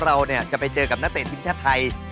เราจะไปเจอกับนักเตะทีมชาติไทย